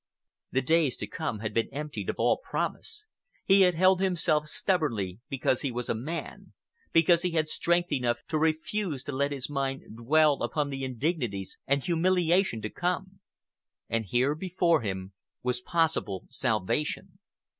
The days to come had been emptied of all promise. He had held himself stubbornly because he was a man, because he had strength enough to refuse to let his mind dwell upon the indignities and humiliation to come. And here before him was possible salvation.